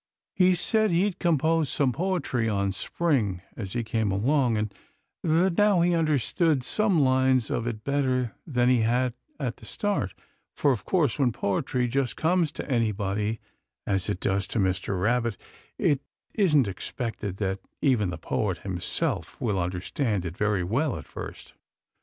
He said he'd composed some poetry on Spring as he came along, and that now he understood some lines of it better than he had at the start; for, of course, when poetry just comes to anybody, as it does to Mr. Rabbit, it isn't expected that even the poet himself will understand it very well at first.